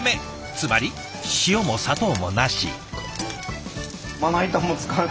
つまり塩も砂糖もなし。